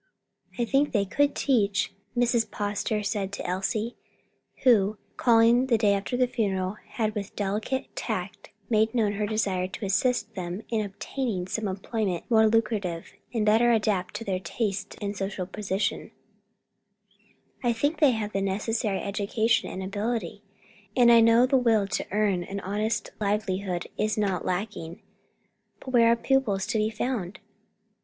"I think they could teach," Mrs. Poster said to Elsie, who, calling the day after the funeral, had with delicate tact made known her desire to assist them in obtaining some employment more lucrative and better adapted to their tastes and social position; "I think they have the necessary education and ability, and I know the will to earn an honest livelihood is not lacking; but where are pupils to be found?"